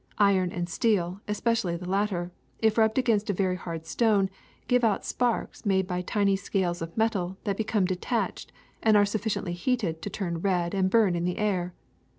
Iron and steel, especially the latter, if rubbed against a very hard stone give out sparks made by tiny scales of metal that become detached and are suf ficiently heated to turn red and burn in the air.